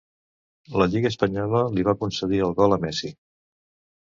La Lliga espanyola li va concedir el gol a Messi.